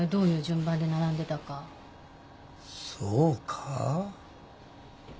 そうか？